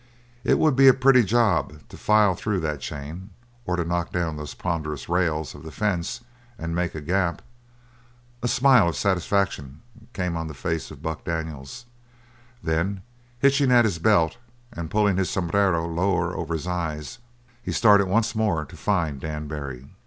It would be a pretty job to file through that chain, or to knock down those ponderous rails of the fence and make a gap. A smile of satisfaction came on the face of Buck Daniels, then, hitching at his belt, and pulling his sombrero lower over his eyes, he started once more to find Dan Barry.